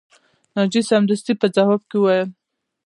ناجیه سمدستي په ځواب کې وویل